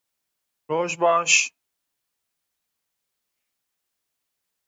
Sewer Beg fermandarê serhildanê ye, di şerê dawî de birîndar dikeve.